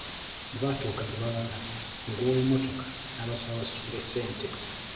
Bwe baatuuka gye balaga, omugoba w'emmotoka n'abasaba basasule ssente.